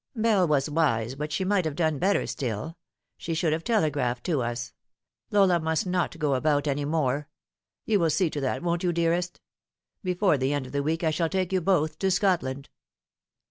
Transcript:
" Bell was wise, but she might have done better still. She should have telegraphed to us. Lola must not go about any more. You will see to that, won't you, dearest ? Before the end of the week I will take you both to Scotland."